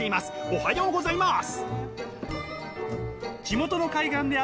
おはようございます！